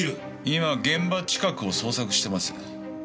今現場近くを捜索してます。